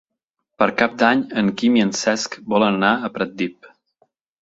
Per Cap d'Any en Quim i en Cesc volen anar a Pratdip.